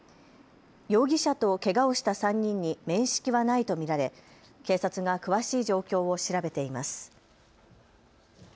容疑者とけがをした３人に面識はないと見られ警察が詳しい状況を調べています。